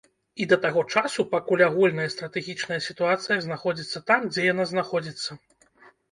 І да таго часу, пакуль агульная стратэгічная сітуацыя знаходзіцца там, дзе яна знаходзіцца.